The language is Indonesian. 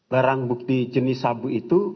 barang bukti jenis sabu itu